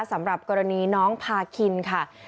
สำหรับกรณีน้องพาคินค่ะ